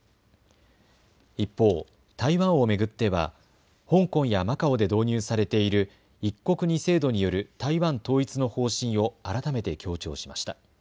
一方、台湾を巡っては香港やマカオで導入されている一国二制度による台湾統一の方針を改めて強調しました。